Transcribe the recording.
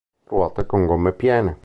Ruote con gomme piene.